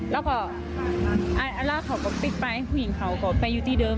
แล้วก็อัลล่าเขาก็ปิดไปผู้หญิงเขาก็ไปอยู่ที่เดิม